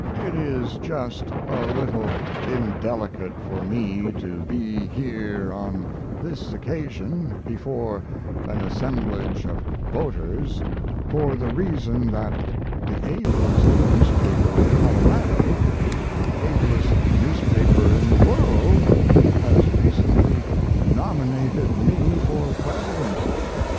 It is just a little indelicate for me to be here on this occasion before an assemblage of voters, for the reason that the ablest newspaper in Colorado the ablest newspaper in the world has recently nominated me for President.